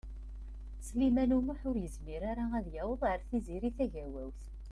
Sliman U Muḥ ur yezmir ara ad yaweḍ ar Tiziri Tagawawt.